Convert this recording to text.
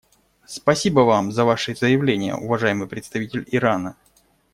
Спасибо Вам за Ваше заявление, уважаемый представитель Ирана.